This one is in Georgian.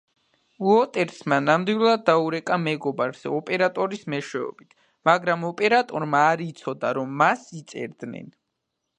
უოტერსმა ნამდვილად დაურეკა მეგობარს ოპერატორის მეშვეობით, მაგრამ ოპერატორმა არ იცოდა, რომ მას იწერდნენ.